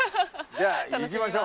じゃあ行きましょう！